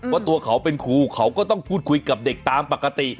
ว่าตัวเขาเป็นครูเขาก็ต้องพูดคุยกับเด็กตามปกติ